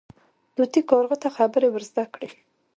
طوطي کارغه ته خبرې ور زده کړې.